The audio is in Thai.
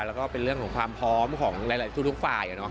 แล้วก็เป็นเรื่องของความพร้อมของหลายทุกฝ่าย